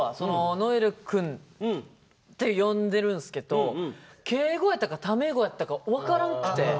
「如恵留くん」って呼んでるんすけど敬語やったかタメ語やったか分からんくて。